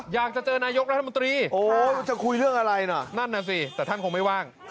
อยากจะเจอนายกรัฐมนตรีโอ้จะคุยเรื่องอะไรน่ะนั่นน่ะสิแต่ท่านคงไม่ว่าง